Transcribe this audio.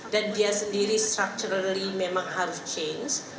dan dia sendiri structurally memang harus change